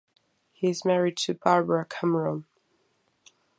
He is married to Barbara Cameron.